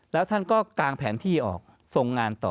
แล้วท่านก็กางแผนที่ออกทรงงานต่อ